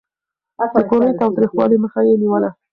د کورني تاوتريخوالي مخه يې نيوله.